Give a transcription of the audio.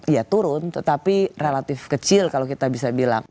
ya turun tetapi relatif kecil kalau kita bisa bilang